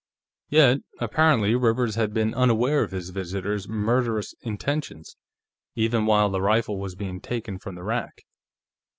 Yet, apparently, Rivers had been unaware of his visitor's murderous intentions, even while the rifle was being taken from the rack.